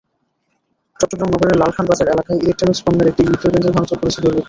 চট্টগ্রাম নগরের লালখান বাজার এলাকায় ইলেকট্রনিকস পণ্যের একটি বিক্রয়কেন্দ্রে ভাঙচুর করেছে দুর্বৃত্তরা।